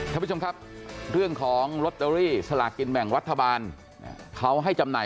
ท่านผู้ชมครับเรื่องของลอตเตอรี่สลากินแบ่งรัฐบาลเขาให้จำหน่าย